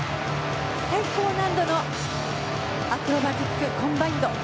最高難度のアクロバティックコンバインド。